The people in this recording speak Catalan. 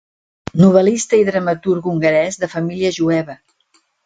Novel·lista i dramaturg hongarès, de família jueva.